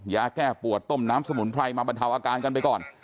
ยาแก้ปวดต้มน้ำสมุนไพรมาบรรเทาอาการกันไปก่อน